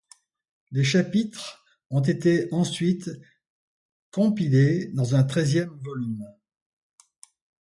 Les chapitres ont ensuite été compilés dans un treizième volume.